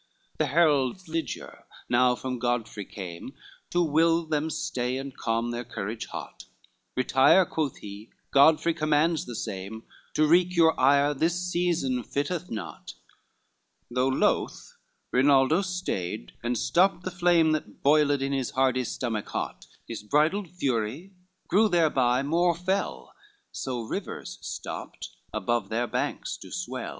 LIII The herald Ligiere now from Godfrey came, To will them stay and calm their courage hot; "Retire," quoth he, "Godfrey commands the same; To wreak your ire this season fitteth not;" Though loth, Rinaldo stayed, and stopped the flame, That boiled in his hardy stomach hot; His bridled fury grew thereby more fell, So rivers, stopped, above their banks do swell.